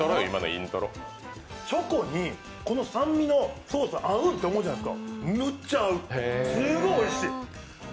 チョコに酸味のソース合う？って思うじゃないですか、すごいおいしい。